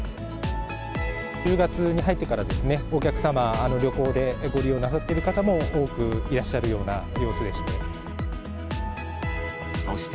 １０月に入ってからですね、お客様、旅行でご利用なさっている方も多くいらっしゃるような様子でして。